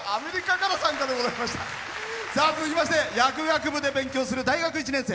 続きまして薬学部で勉強する大学１年生。